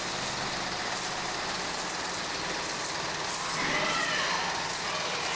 ばあっ！はるきだよ